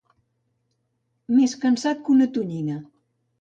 Més cansat que una tonyina.